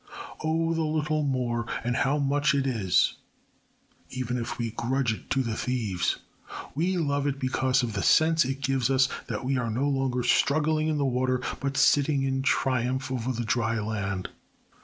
"Oh, the little more, and how much it is!" Even if we grudge it to the thieves, we love it because of the sense it gives us that we are no longer struggling in the water but sitting in triumph on the dry land.